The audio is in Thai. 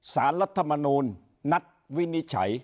สารรัฐมนูลนัดวินิจฉัย